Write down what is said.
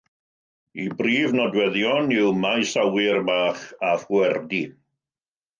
Ei brif nodweddion yw maes awyr bach a phwerdy.